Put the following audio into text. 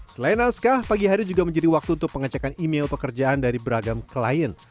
selain naskah pagi hari juga menjadi waktu untuk pengecekan email pekerjaan dari beragam klien